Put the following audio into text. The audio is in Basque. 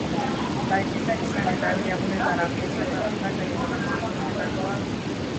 Bahiketa izan eta bi egunetara jazo zen gertakari garrantzitsuenetako bat.